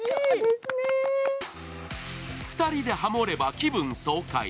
２人でハモれば気分爽快。